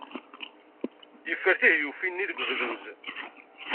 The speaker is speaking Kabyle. Yeffer tihyufin-nni deg ubduz.